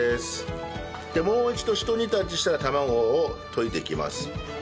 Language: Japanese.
でもうひと煮立ちしたら卵を溶いていきます。